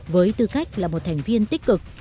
với tư cách là một thành viên tích cực